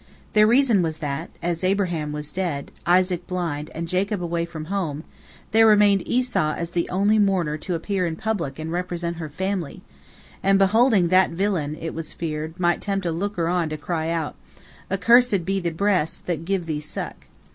The reason was that, as Abraham was dead, Isaac blind, and Jacob away from home, there remained Esau as the only mourner to appear in public and represent her family, and beholding that villain, it was feared, might tempt a looker on to cry out, "Accursed be the breasts that gave thee suck."